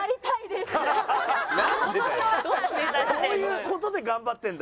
そういう事で頑張ってるんだ。